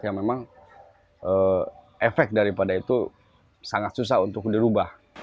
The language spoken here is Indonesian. ya memang efek daripada itu sangat susah untuk dirubah